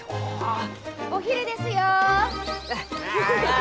お昼ですよ！